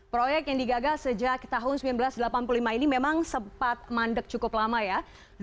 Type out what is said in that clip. proyek yang digagal sejak tahun seribu sembilan ratus delapan puluh lima ini memang sempat mandek cukup lama ya